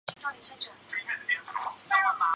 用于往有机分子中引入叠氮基团。